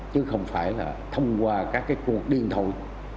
chứ không phải là thông qua các cuộc điện thoại